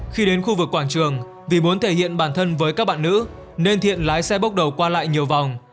khi đến khu vực quảng trường vì muốn thể hiện bản thân với các bạn nữ nên thiện lái xe bốc đầu qua lại nhiều vòng